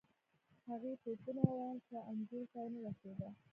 هغې ټوپونه ووهل خو انګورو ته ونه رسیده.